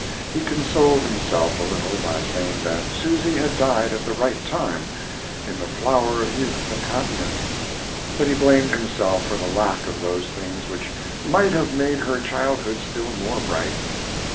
He consoled himself a little by saying that Susy had died at the right time, in the flower of youth and happiness; but he blamed himself for the lack of those things which might have made her childhood still more bright.